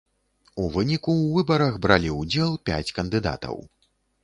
У выніку ў выбарах бралі ўдзел пяць кандыдатаў.